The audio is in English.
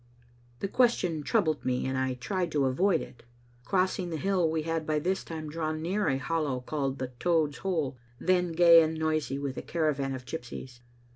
The question troubled me, and I tried to avoid it. Crossing the hill we had by this time drawn near a hollow called the Toad's hole, then gay and noisy with a caravan of gypsies.